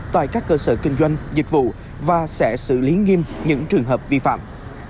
tại các cơ sở kinh doanh dịch vụ và sẽ xử lý nghiêm những trường hợp vi phạm